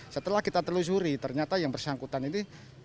setelah kita telusuri ternyata yang bersangkutan ini